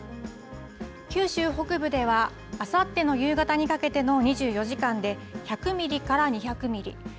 雨量を見ていくと九州北部では、あさっての夕方にかけての２４時間で１００ミリから２００ミリ